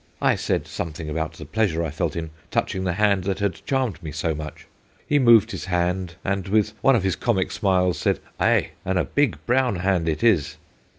I said some thing about the pleasure I felt in touching the hand that had charmed me so much. He moved his hand and, with one of his comic smiles, said :" Ay and a big brown hand it is."